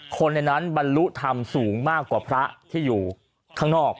คนในนั้นบรรลุธรรมสูงมากกว่าพระที่อยู่ข้างนอก